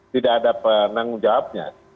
tidak ada penanggung jawabnya